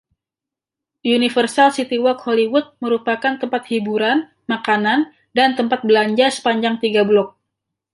Universal CityWalk Hollywood merupakan tempat hiburan, makanan dan tempat belanja sepanjang tiga blok.